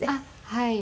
はい。